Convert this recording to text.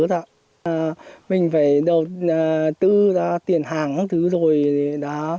cái ý là cái gì ạ